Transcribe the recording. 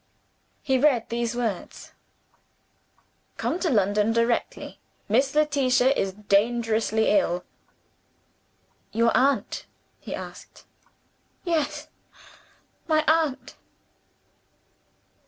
He read these words: "Come to London directly. Miss Letitia is dangerously ill." "Your aunt?" he asked. "Yes my aunt."